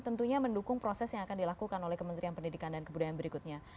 tentunya mendukung proses yang akan dilakukan oleh kementerian pendidikan dan kebudayaan berikutnya